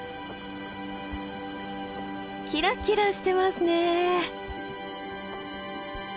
キラキラしてますね。